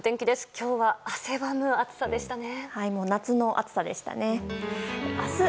今日は汗ばむ暑さでしたね。